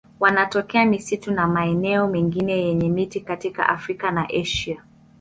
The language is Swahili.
Wanatokea misitu na maeneo mengine yenye miti katika Afrika na Asia.